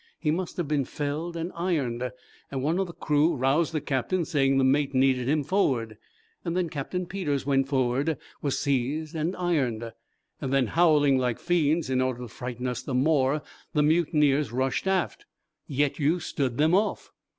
He must have been felled and ironed. One of the crew roused the captain, saying the mate needed him forward. Then Captain Peters went forward, was seized and ironed. Then, howling like fiends, in order to frighten us the more, the mutineers rushed aft." "Yet you stood them off?"